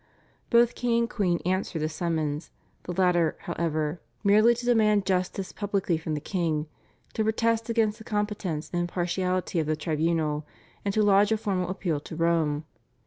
Both king and queen answered the summons, the latter, however, merely to demand justice publicly from the king, to protest against the competence and impartiality of the tribunal, and to lodge a formal appeal to Rome.